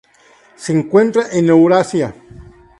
Se encuentra en Eurasia.